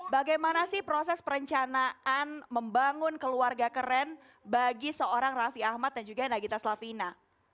bagaimana sih proses perencanaan membangun keluarga keren bagi seorang raffi ahmad dan juga nagita slavina